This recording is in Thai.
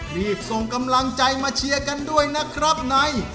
รีบส่งกำลังใจมาเชียร์กันด้วยนะครับใน